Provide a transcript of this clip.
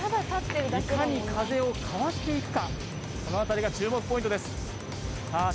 いかに風をかわしていくかそのあたりが注目ポイントですさあ